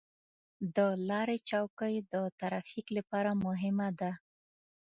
د لارې چوکۍ د ترافیک لپاره مهمه ده.